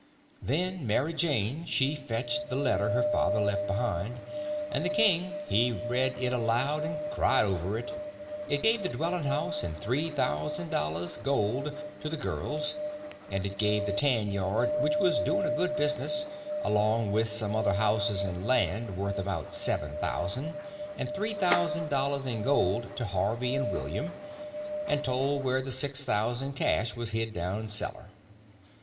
Then Mary Jane she fetched the letter her father left behind, and the king he read it out loud and cried over it. It give the dwelling house and three thousand dollars, gold, to the girls; and it give the tanyard (which was doing a good business), along with some other houses and land (worth about seven thousand), and three thousand dollars in gold to Harvey and William, and told where the six thousand cash was hid down cellar.